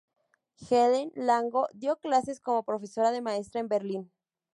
Helene Lange dio clases como profesora de maestras en Berlín.